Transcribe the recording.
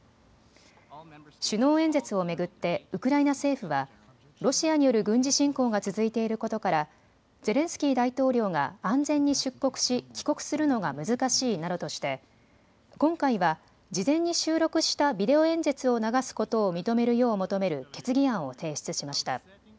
首脳演説を巡ってウクライナ政府はロシアによる軍事侵攻が続いていることからゼレンスキー大統領が安全に出国し帰国するのが難しいなどとして今回は事前に収録したビデオ演説を流すことを認めるよう求める決議案を提出しました。